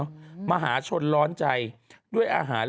ต้องการร้อนใจด้วยอาหาร